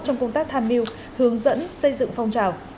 trong công tác tham mưu hướng dẫn xây dựng phong trào